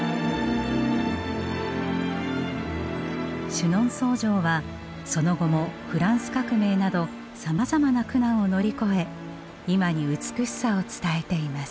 シュノンソー城はその後もフランス革命などさまざまな苦難を乗り越え今に美しさを伝えています。